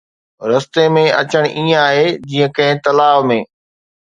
رستي ۾ اچڻ ائين آهي جيئن ڪنهن تلاءَ ۾